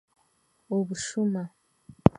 Obushuma.